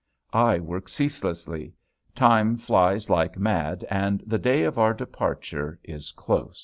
I work ceaselessly. Time flies like mad and the day of our departure is close.